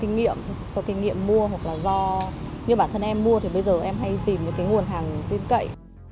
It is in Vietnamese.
cái đấy thì do kinh nghiệm do kinh nghiệm mua hoặc là do như bản thân em mua thì bây giờ em hay tìm cái nguồn hàng tiên cậy